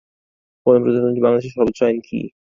গণপ্রজাতন্ত্রী বাংলাদেশের সর্বোচ্চ আইন কী?